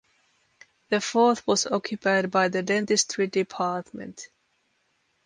The fourth was occupied by the dentistry department.